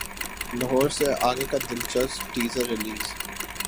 لاہور سے اگے کا دلچسپ ٹیزر ریلیز